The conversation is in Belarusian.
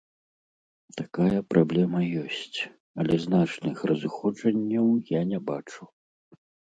Такая праблема ёсць, але значных разыходжанняў я не бачу.